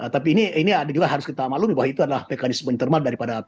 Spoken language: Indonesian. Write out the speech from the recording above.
tapi ini juga harus kita maklumi bahwa itu adalah mekanisme termal daripada p tiga